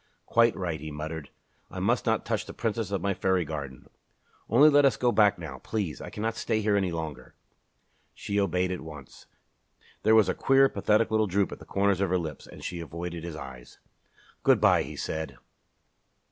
"Quite right," he muttered. "I must not touch the Princess of my fairy garden. Only let us go back now, please. I cannot stay here any longer." She obeyed at once. There was a queer, pathetic little droop at the corners of her lips, and she avoided his eyes. "Good bye!" he said.